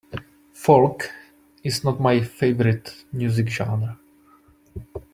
Folk is not my favorite music genre.